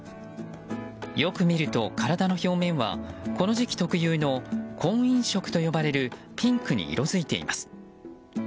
よく見ると体の表面はこの時期特有の婚姻色と呼ばれるピンクに色づいています。